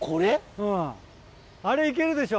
うんあれ行けるでしょ。